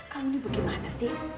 kamu ini bagaimana sih